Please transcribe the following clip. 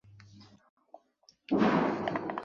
তাহলে, শতভাগ নিশ্চিত না এটা!